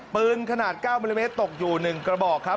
ปืนขนาด๙มิลลิเมตรตกอยู่๑กระบอกครับ